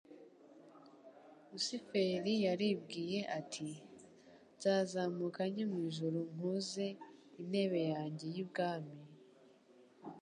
Lusiferi yaribwiye ati: "Nzazamuka njye mu ijuru nkuze intebe yanjye y'ubwami,